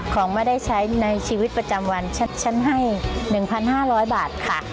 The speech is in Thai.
ของไม่ได้ใช้ในชีวิตประจำวันฉันให้๑๕๐๐บาทค่ะ